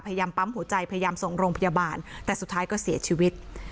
ปั๊มหัวใจพยายามส่งโรงพยาบาลแต่สุดท้ายก็เสียชีวิต